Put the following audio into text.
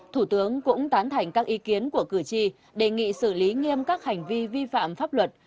thủ tướng cũng tán thành các ý kiến của cử tri đề nghị xử lý nghiêm các hành vi vi phạm pháp luật